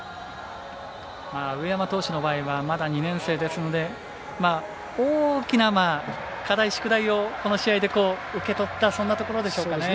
上山投手の場合はまだ２年生ですので大きな課題、宿題をこの試合で受け取ったそんなところでしょうかね。